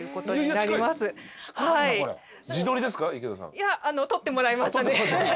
いや撮ってもらいましたね。